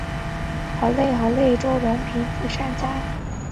得名于捐款兴校的慈善家周荣富。